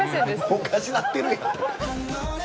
おかしなってるやん。